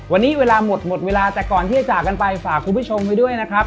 วันนี้เวลาหมดหมดเวลาแต่ก่อนที่จะจากกันไปฝากคุณผู้ชมไว้ด้วยนะครับ